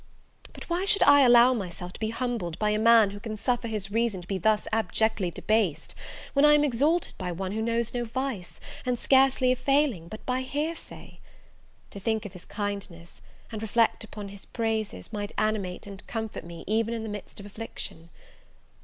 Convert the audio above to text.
But why should I allow myself to be humbled by a man who can suffer his reason to be thus abjectly debased, when I am exalted by one who knows no vice, and scarcely a failing, but by hearsay? To think of his kindness, and reflect upon his praises, might animate and comfort me even in the midst of affliction.